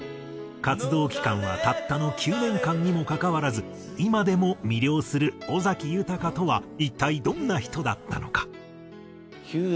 活動期間はたったの９年間にもかかわらず今でも魅了する尾崎豊とは一体どんな人だったのか？